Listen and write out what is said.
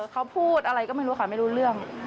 เขาพูดอะไรก็ไม่รู้ค่ะไม่รู้เรื่อง